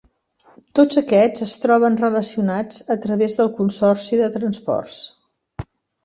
Tots aquests es troben relacionats a través del Consorci de Transports.